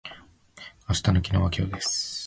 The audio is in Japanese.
明日の昨日は今日です。